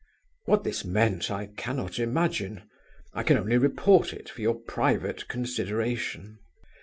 What this meant I cannot imagine. I can only report it for your private consideration.